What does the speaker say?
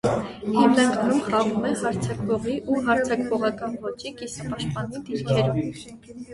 Հիմնականում խաղում է հարձակվողի ու հարձակվողական ոճի կիսապաշտպանի դիրքերում։